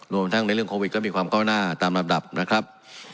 รวมทั้งในเรื่องโควิดก็มีความก้าวหน้าตามลำดับนะครับ